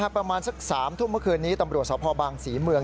ประมาณสัก๓ทุ่มเมื่อคืนนี้ตำรวจสพบางศรีเมือง